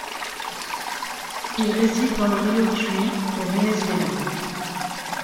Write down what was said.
Il réside dans le rio Tuy au Venezuela.